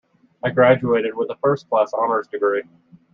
I graduated with a first class honours degree.